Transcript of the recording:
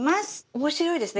面白いですね